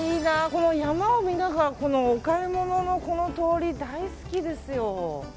この山を見ながらこのお買い物のこの通り大好きですよ。